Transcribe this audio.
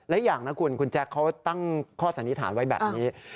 และอีกอย่างนะคุณคุณแจ๊คเขาตั้งข้อสันนิษฐานไว้แบบนี้